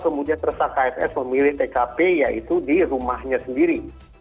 kemudian tersangka fs memilih tkp yaitu di rumahnya sendiri